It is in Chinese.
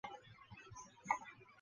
常栖息在潮间带至潮下带。